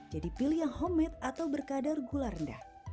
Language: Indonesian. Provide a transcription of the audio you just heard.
jadi pilih yang homemade atau berkadar gula rendah